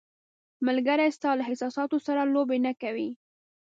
ملګری ستا له احساساتو سره لوبې نه کوي.